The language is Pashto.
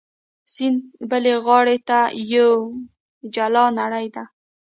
سیند بلې غاړې ته یوه جلا نړۍ ده.